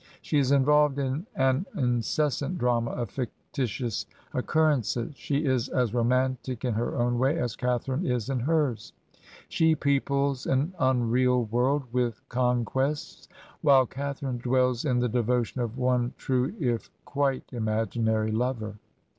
She is involved in an incessant drama of fictitious oc currences; she is as romantic in her own way as Catha rine is in hers; she peoples an unreal world with con | quests, while Catharine dwells in the devotion of one* true, if quite imaginary lover.